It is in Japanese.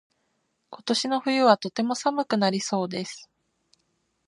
今年の冬はとても寒くなりそうです。